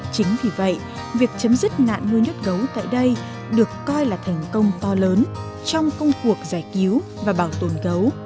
chính vì vậy việc chấm dứt nạn nuôi nhốt gấu tại đây được coi là thành công to lớn trong công cuộc giải cứu và bảo tồn gấu